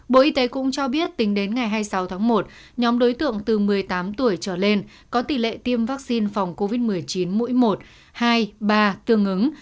bộ y tế cũng cho biết tính đến ngày hai mươi sáu tháng một nhóm đối tượng từ một mươi tám tuổi trở lên có tỷ lệ tiêm vaccine phòng covid một mươi chín mũi một hai ba tương ứng